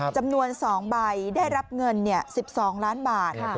จำนวน๒ใบได้รับเงิน๑๒ล้านบาท